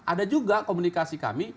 ada juga komunikasi kami